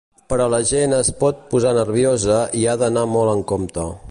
Però la gent es pot posar nerviosa i ha d’anar molt amb compte.